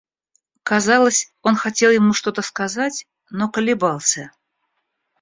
Казалось, он хотел ему что-то сказать, но колебался.